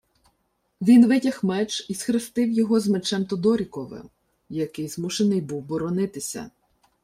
Він витяг меч і схрестив його з Мечем Тодоріковим, який змушений був боронитися.